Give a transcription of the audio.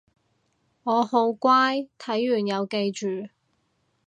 我好乖睇完有記住